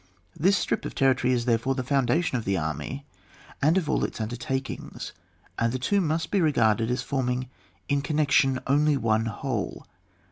This strip of territory is therefore the foundation of the army and of all its undertakings, and the two must be regarded as form ing in connection only one whole.